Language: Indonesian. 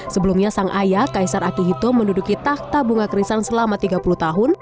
sebelumnya sang ayah kaisar akihito menduduki tahta bunga krisan selama tiga puluh tahun